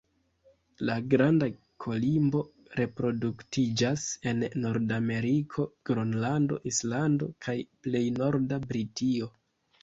La Granda kolimbo reproduktiĝas en Nordameriko, Gronlando, Islando, kaj plej norda Britio.